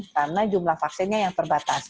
karena jumlah vaksinnya yang terbatas